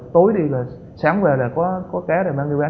tối đi là sáng về là có cá rồi mang đi bán